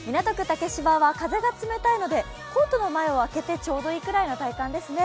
竹芝は風が冷たいのでコートの前を開けてちょうどいいくらいの体感ですね。